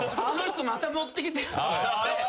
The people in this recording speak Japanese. あの人また持ってきてる。